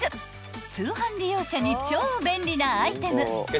［通販利用者に超便利なアイテム］